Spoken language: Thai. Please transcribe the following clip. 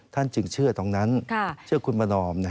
จึงเชื่อตรงนั้นเชื่อคุณประนอม